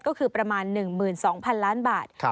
ก็คือประมาณ๑๒๐๐๐ล้านบาท